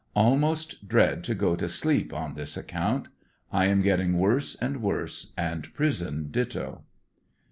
Almost dread to go to sleep ' n this account. I am getting worse and worse, and prison ditto.